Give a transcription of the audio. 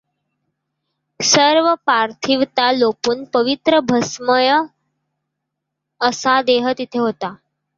सर्व पार्थिवता लोपून पवित्र भस्ममय असा देह तेथे होता.